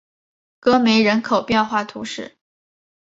戈梅人口变化图示